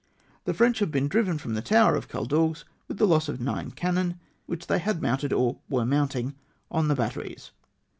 " The French have been driven from the tower of Caldagues with the loss of nine cannon, winch they had mounted or were mounting on the batteries.